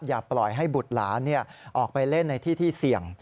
อย่าปล่อยให้บุตรหลานออกไปเล่นในที่ที่เสี่ยง